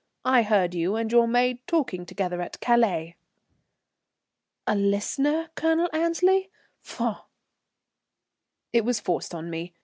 I heard you and your maid talking together at Calais." "A listener, Colonel Annesley? Faugh!" "It was forced on me.